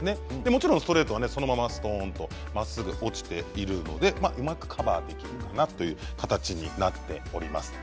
もちろんストレートはそのまますとんとまっすぐ落ちているのでうまくカバーできるかなという形になっております。